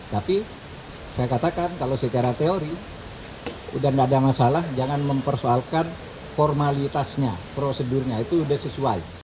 tapi saya katakan kalau secara teori udah gak ada masalah jangan mempersoalkan formalitasnya prosedurnya itu sudah sesuai